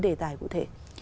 đề tài cụ thể